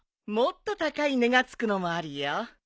もっと高い値が付くのもあるよ。